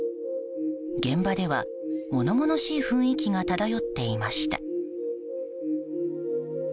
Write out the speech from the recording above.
現場では物々しい雰囲気が漂っていました。